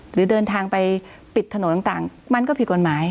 หรือเดินทางไปปิดถนนต่างมันก็ผิดกฎหมาย